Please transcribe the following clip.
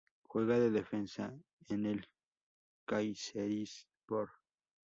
Juega de defensa en el Kayserispor.